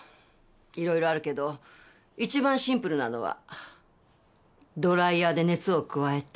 いろいろあるけど一番シンプルなのはドライヤーで熱を加えて